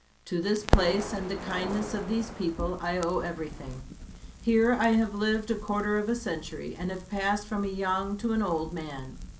To this place, and the kindness of these people, I owe everything. Here I have lived a quarter of a century, and have passed from a young to an old man.